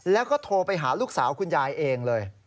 แล้วก็โทรไปหาลูกสาวคุณยายเองเลย